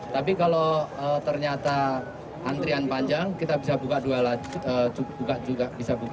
tapi kalau ternyata antrian panjang kita bisa buka dua lajur